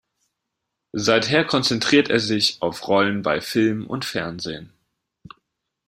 Seither konzentriert er sich auf Rollen bei Film und Fernsehen.